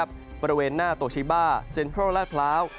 บริเวณหน้าโตชิบ้าเซ็นทรัลลาดพร้าว